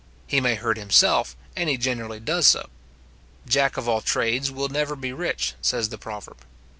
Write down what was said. He may hurt himself, and he generally does so. Jack of all trades will never be rich, says the proverb.